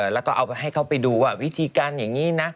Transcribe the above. แล้วก็เอาไปให้เขาไปดูว่าวิธีการอย่างนี้นะ